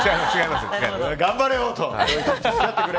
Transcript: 頑張れよ！と。